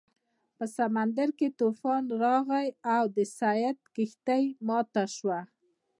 په سمندر کې طوفان راغی او د سید کښتۍ ماته شوه.